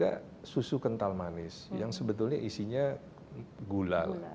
lalu kita harus memberikan susu kental manis yang sebetulnya isinya gula